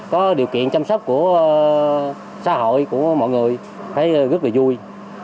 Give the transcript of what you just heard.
có điều kiện chăm sóc của xã hội của mọi người thấy rất là vui